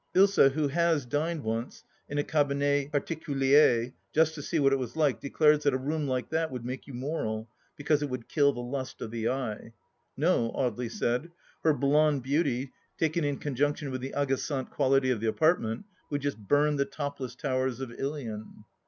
Ilsa, who has dined once in a cabinet parliculier, just to see what it was like, declares that a room like that would make you mora], because it would kill the lust of the eye. No, Audely said, her blonde beauty, taken in conjunction with the agagante quality of the apartment, would just burn the topless towers of Ilion